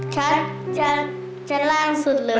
ชั้นชั้นชั้นล่างสุดเลย